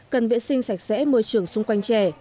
cần vệ sinh sạch sẽ môi trường xung quanh trẻ